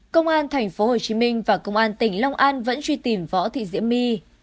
công an tp hcm và công an tỉnh long an vẫn truy tìm võ thị diễm my